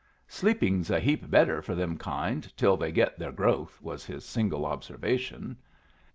"Sleeping's a heap better for them kind till they get their growth," was his single observation.